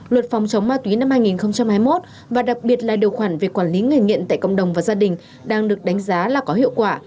luật phòng chống ma túy năm hai nghìn hai mươi một và đặc biệt là điều khoản về quản lý người nghiện tại cộng đồng và gia đình đang được đánh giá là có hiệu quả